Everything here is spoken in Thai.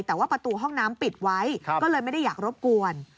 แต่ว่าประตูห้องน้ำปิดไว้ก็เลยไม่ได้อยากรบกวน